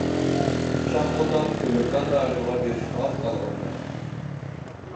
شاخ قوتان كۆمۈر كان رايونىغا بېرىشقا ئاز قالغاندا.